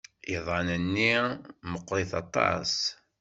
Iḍan-nni meɣɣrit aṭas.